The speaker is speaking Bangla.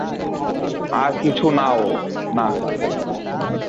আর কিছু নাও, - না।